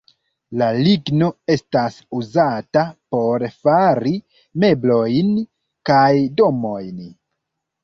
La ligno estas uzata por fari meblojn kaj domojn.